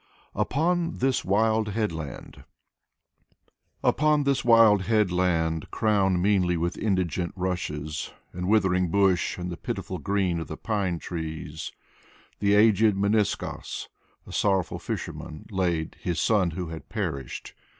Apollon Maikov 41 "^" UPON THIS WILD HEADLAND " Upon this wild headland, crowned meanly with indigent rushes And withering bush and the pitiful green of the pine trees, The aged Meniskos, a sorrowful fisherman laid His son who had perished.